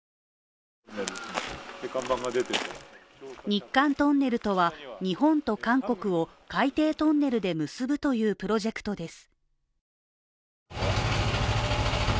日韓トンネルとは、日本と韓国を海底トンネルで結ぶというプロジェクトです。